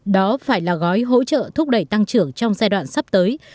đó phải là gói hỗ trợ thúc đẩy tăng trưởng trong giai đoạn sắp tới